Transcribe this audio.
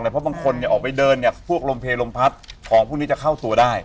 เพราะบางคนเนี่ยออกไปเดินเนี่ยพวกลมเพลลมพัดของพวกนี้จะเข้าตัวได้